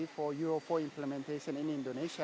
siap untuk implementasi euro empat di indonesia